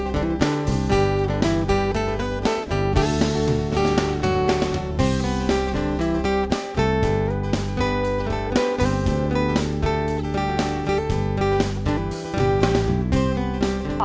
เป็นยังไงบ้าง